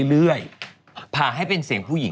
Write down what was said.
เหมือนเวลาเป็นปฏิบัติ